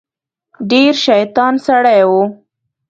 ډیر شیطان سړی و.